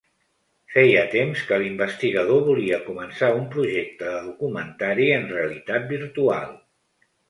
Feia temps que l’investigador volia començar un projecte de documentari en realitat virtual.